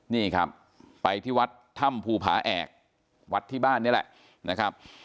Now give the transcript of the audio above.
นี่ครับไปที่วัดถ้ำภูผาแอกวัดที่บ้านนี่แหละนะครับ